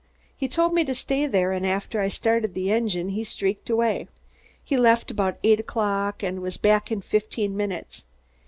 He told me to stay there, and after I started the engine, he streaked away. He left about eight o'clock and was back in fifteen minutes.